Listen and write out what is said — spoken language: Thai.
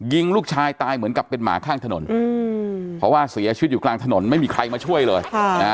ยิงลูกชายตายเหมือนกับเป็นหมาข้างถนนเพราะว่าเสียชีวิตอยู่กลางถนนไม่มีใครมาช่วยเลย